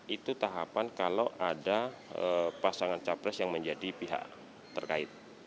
itu tahapan kalau ada pasangan capres yang menjadi pihak terkait